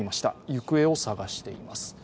行方を捜しています。